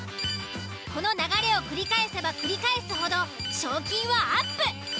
この流れを繰り返せば繰り返すほど賞金はアップ。